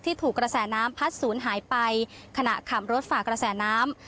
ถูกกระแสน้ำพัดศูนย์หายไปขณะขับรถฝ่ากระแสน้ำ